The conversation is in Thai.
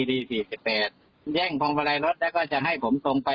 เรื่องมันก็จบค่ะ